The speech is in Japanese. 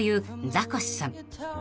ザコシさん］